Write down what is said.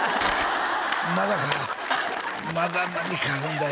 「まだまだ何かあるんだよ」